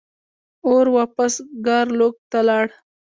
اور واپس ګارلوک ته لاړ.